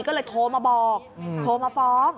ก็เลยโทรมาบอกโทรมาฟ้อง